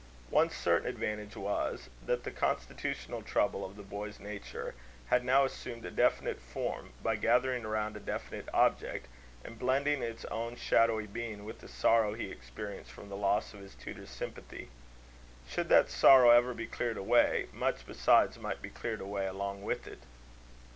One certain advantage was, that the constitutional trouble of the boy's nature had now assumed a definite form, by gathering around a definite object, and blending its own shadowy being with the sorrow he experienced from the loss of his tutor's sympathy. Should that sorrow ever be cleared away, much besides might be cleared away along with it.